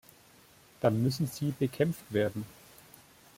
Dann müssen sie bekämpft werden!